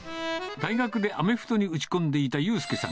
大学でアメフトに打ち込んでいた悠佑さん。